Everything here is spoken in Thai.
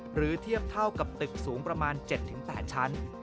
หรือเทียบเท่ากับตึกสูงประมาณ๗๘ชั้น